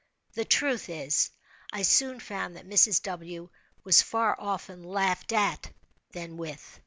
The truth is, I soon found that Mrs. W. was far oftener laughed at than with.